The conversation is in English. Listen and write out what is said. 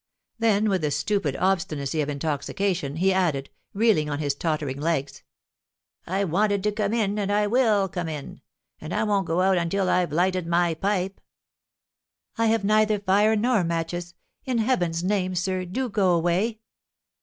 Then with the stupid obstinacy of intoxication, he added, reeling on his tottering legs: "I wanted to come in, and I will come in; and I won't go out until I've lighted my pipe." "I have neither fire nor matches. In heaven's name, sir, do go away."